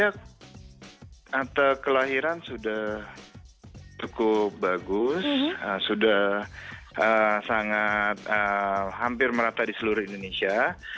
akta kelahiran sudah cukup bagus sudah sangat hampir merata di seluruh indonesia